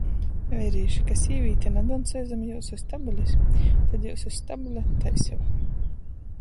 Veirīši, ka sīvīte nadoncoj zam jiusu stabulis, tod jiusu stabule - tai sev